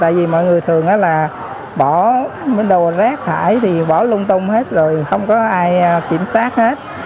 tại vì mọi người thường là bỏ bên đầu rác thải thì bỏ lung tung hết rồi không có ai kiểm soát hết